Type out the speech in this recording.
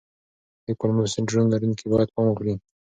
د کولمو سنډروم لرونکي باید پام وکړي.